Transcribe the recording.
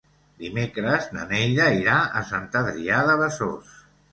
Dimecres na Neida irà a Sant Adrià de Besòs.